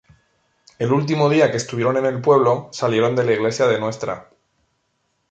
El último día que estuvieron en el pueblo, salieron de la iglesia de Ntra.